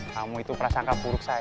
kamu itu prasangka buruk saya